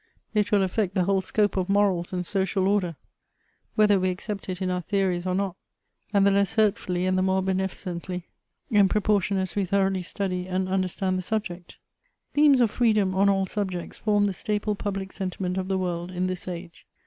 It will affect the whole scope of morals and social order, whether we accept it in our theories or not, and the less hurtfuUy and the more beneficently, in proportion as we thorough ly study and understand the subject. Themes of freedom on all subjects form the staple public sentiment of the world in this age.